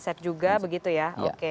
set juga begitu ya oke